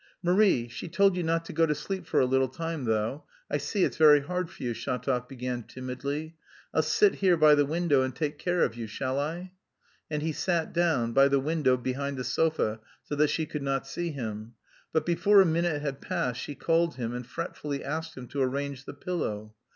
"Marie, she told you not to go to sleep for a little time, though, I see, it's very hard for you," Shatov began timidly. "I'll sit here by the window and take care of you, shall I?" And he sat down, by the window behind the sofa so that she could not see him. But before a minute had passed she called him and fretfully asked him to arrange the pillow.